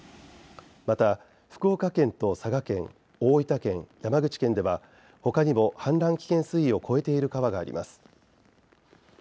また、福岡県と佐賀県大分県、山口県では他にも氾濫危険水位を超えている川があります。